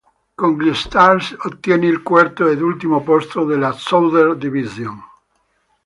Con gli "Stars" ottiene il quarto ed ultimo posto della "Southern Division".